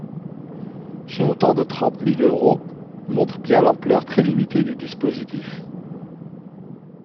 Ce montant de trente mille euros montre bien l’ampleur très limitée du dispositif.